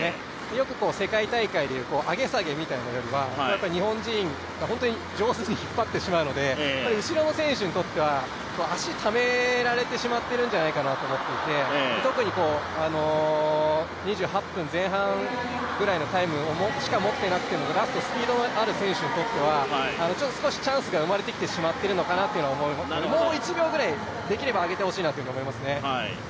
よく世界大会でいう上げ下げよりは日本人が上手に引っ張ってしまうので、後ろの選手にとっては足をためられてしまっているんじゃないかなと思っていて、特に２８分前半ぐらいのタイムしか持っていなくてもラストスピードがある選手にとっては少しチャンスが生まれてきてしまっているのかなともう１秒ぐらい、できれば上げてほしいなと思いますね。